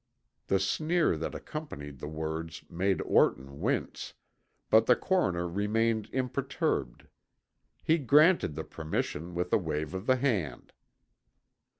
The sneer that accompanied the words made Orton wince, but the coroner remained imperturbed. He granted the permission with a wave of the hand.